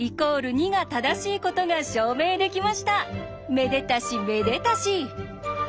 めでたしめでたし。